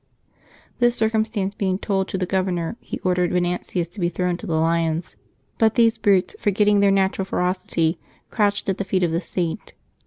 This circumstance being told to the governor, he ordered Venantius to be thrown to the lions; but these brutes, forgetting their natural ferocity, crouched at the feet of the Saint.